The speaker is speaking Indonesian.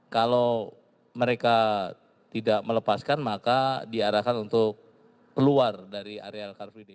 kalau mereka tidak melepaskan maka diarahkan untuk keluar dari area car free day